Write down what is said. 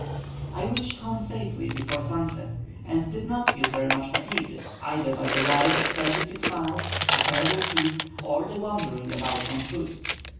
I reached home safely before sunset, and did not feel very much fatigued, either by the ride of thirty six miles, the terrible heat, or the wandering about on foot.